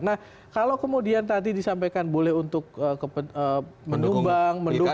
nah kalau kemudian tadi disampaikan boleh untuk menumbang mendukung